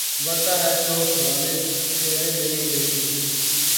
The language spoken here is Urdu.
بڑھتا ہے شوق "غالب" تیرے نہیں نہیں میں.